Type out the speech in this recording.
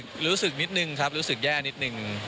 ก็รู้สึกนิดนึงครับรู้สึกแย่นิดนึง